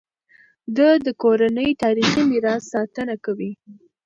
ده د کورنۍ تاریخي میراث ساتنه کوي.